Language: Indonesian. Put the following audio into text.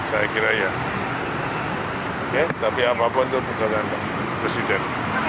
saya kira ya oke tapi apapun itu bukan apa presiden